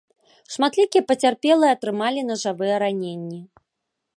Шматлікія пацярпелыя атрымалі нажавыя раненні.